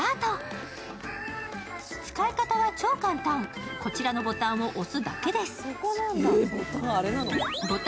使い方は超簡単、こちらのボタンを押すだけです。